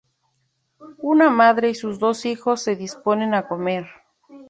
Una madre y sus dos hijos se disponen a comer.